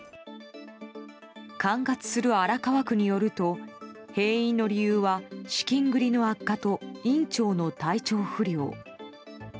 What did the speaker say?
管轄する荒川区によると閉院の理由は資金繰りの悪化と院長の体調不良。